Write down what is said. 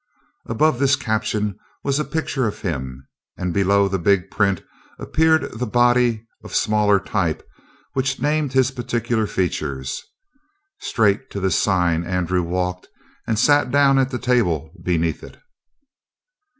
Above this caption was a picture of him, and below the big print appeared the body of smaller type which named his particular features. Straight to this sign Andrew walked and sat down at the table beneath it.